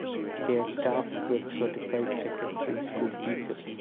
They are staffed with certified secondary school teachers.